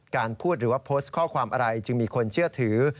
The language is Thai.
การพูดหรือว่าโพสต์ข้อความอะไรจึงมีคนเชื่อถือ